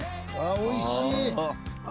おいしい。